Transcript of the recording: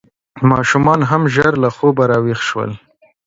ماشومان هم ژر له خوبه راویښ شول.